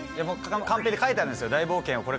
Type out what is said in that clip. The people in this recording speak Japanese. カンペで書いてあるんですよ。